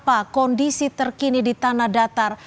apa kondisi terkini di tanah datar